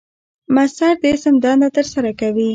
مصدر د اسم دنده ترسره کوي.